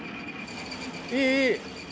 いいいい。